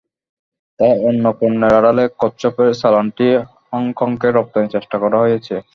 তাই অন্য পণ্যের আড়ালে কচ্ছপের চালানটি হংকংয়ে রপ্তানির চেষ্টা করা হয়েছে।